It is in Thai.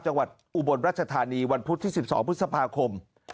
อุบลรัชธานีวันพุธที่๑๒พฤษภาคม